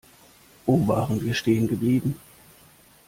Wo waren wir stehen geblieben?